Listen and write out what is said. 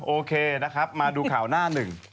โอเคนะครับมาดูข่าวหน้าหนึ่ง